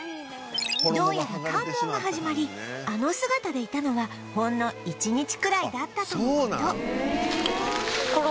どうやら換毛が始まりあの姿でいたのはほんの１日くらいだったとの事